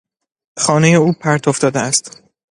خانهٔ او پرت افتاده است.